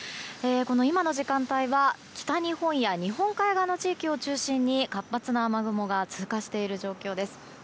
今の時間帯は北日本や日本海側の地域を中心に活発な雨雲が通過している状況です。